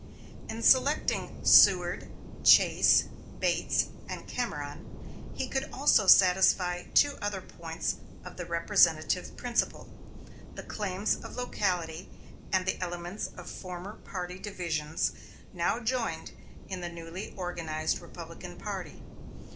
In selecting Seward, Chase, Bates, and Cameron, he could also satisfy two other points of the representative principle, the claims of locality and the elements of former party divisions now joined in the newly organized Republican party.